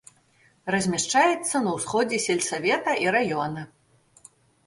Размяшчаецца на ўсходзе сельсавета і раёна.